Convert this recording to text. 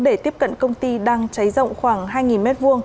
để tiếp cận công ty đang cháy rộng khoảng hai m hai